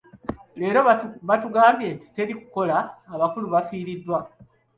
Leero batugambye nti teri kukola abakulu baafiiriddwa.